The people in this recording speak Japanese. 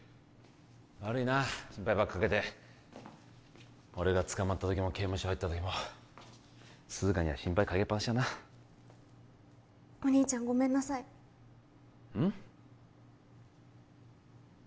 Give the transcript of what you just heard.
悪いな心配ばっかかけて俺が捕まった時も刑務所入った時も涼香には心配かけっぱなしだなお兄ちゃんごめんなさいうん？